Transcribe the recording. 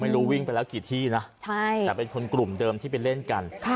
ไม่รู้วิ่งไปแล้วกี่ที่น่ะใช่แต่เป็นคนกลุ่มเดิมที่ไปเล่นกันค่ะ